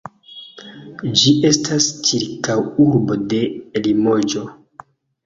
Ĝi estas ĉirkaŭurbo de Limoĝo.